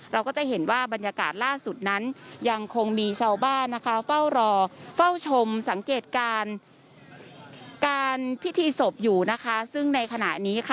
เราก็จะเห็นว่าบรรยากาศล่าสุดนั้นยังคงมีชาวบ้านนะคะ